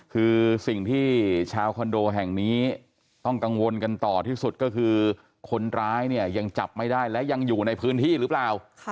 คือสิ่งที่ชาวคอนโดแห่งนี้ต้องกังวลกันต่อที่สุดก็คือคนร้ายเนี่ยยังจับไม่ได้และยังอยู่ในพื้นที่หรือเปล่า